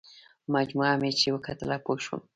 مجموعه مې چې وکتله پوه شوم.